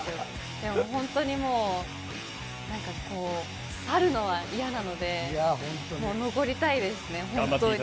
でも、本当にもう、去るのは嫌なので、もう残りたいですね、本当に。